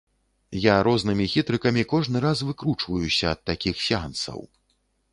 Я рознымі хітрыкамі кожны раз выкручваюся ад такіх сеансаў.